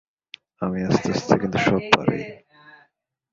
আমি আস্তে আস্তে কিন্তু সব পারি।